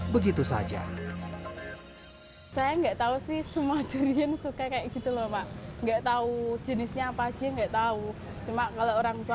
berapa judir berapa buat